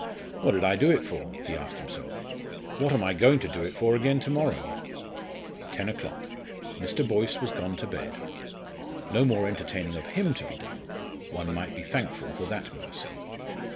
"What did I do it for?" he asked himself; "what am I going to do it for again to morrow?" Ten o'clock. Mr. Boyce was gone to bed. No more entertaining of him to be done; one might be thankful for that mercy.